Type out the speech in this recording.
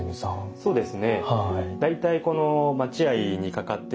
そうですね。